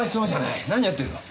何やってるの？